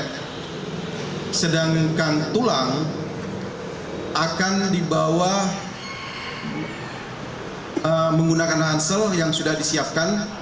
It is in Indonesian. tidak ada yang menyebutkan tulang akan dibawa menggunakan hansel yang sudah disiapkan